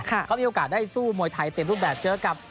เขามีโอกาสได้สู้มวยไทยเต็มรูปแบบเจอกับ